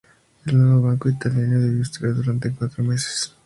El Nuevo Banco Italiano debió cerrar durante cuatro meses.